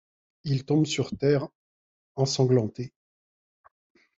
Il tombe sur terre, ensanglanté.